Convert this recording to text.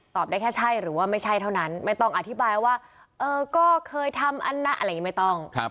ได้แค่ใช่หรือว่าไม่ใช่เท่านั้นไม่ต้องอธิบายว่าเออก็เคยทำอันนะอะไรอย่างนี้ไม่ต้อง